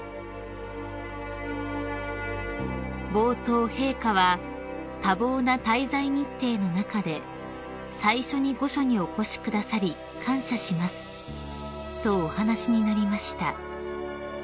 ［冒頭陛下は「多忙な滞在日程の中で最初に御所にお越しくださり感謝します」とお話しになりました］